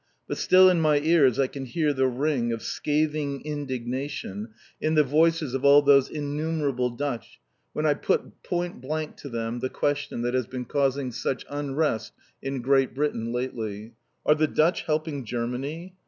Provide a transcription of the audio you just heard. But still in my ears I can hear the ring of scathing indignation in the voices of all those innumerable Dutch when I put point blank to them the question that has been causing such unrest in Great Britain lately: "Are the Dutch helping Germany?"